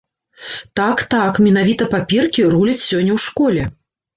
Так, так, менавіта паперкі руляць сёння ў школе!